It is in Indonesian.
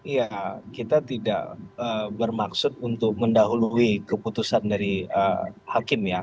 ya kita tidak bermaksud untuk mendahului keputusan dari hakim ya